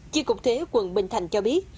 chiếc cục thuế quận bình thành cho biết